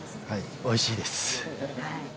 おいしいです。